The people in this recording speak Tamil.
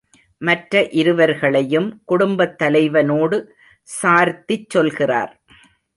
மற்ற இருவர்களையும் குடும்பத் தலைவனோடு சார்த்திச் சொல்கிறார்.